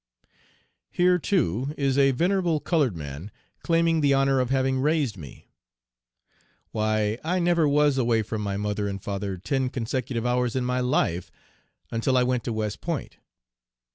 Here, too, is a venerable colored man claiming the honor of having raised me. Why, I never was away from my mother and father ten consecutive hours in my life until I went to West Point.